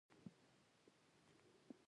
که سیاسي ریفورم ته پام ونه شي وده یې ټکنۍ شي.